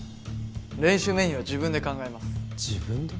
練習メニューは自分で考えます自分で？